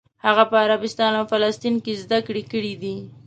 هغه په عربستان او فلسطین کې زده کړې کړې دي.